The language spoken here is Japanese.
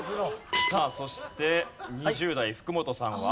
さあそして２０代福本さんは。